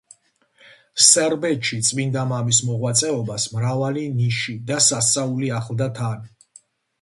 სერბეთში წმიდა მამის მოღვაწეობას მრავალი ნიში და სასწაული ახლდა თან.